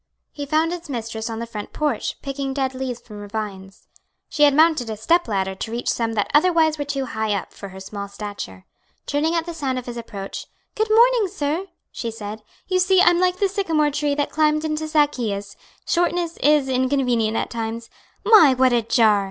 He found its mistress on the front porch, picking dead leaves from her vines. She had mounted a step ladder to reach some that otherwise were too high up for her small stature. Turning at the sound of his approach, "Good morning, sir," she said. "You see I'm like the sycamore tree that climbed into Zaccheus. Shortness is inconvenient at times. My, what a jar!"